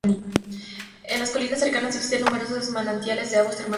En las colinas cercanas existen numerosos manantiales de aguas termales.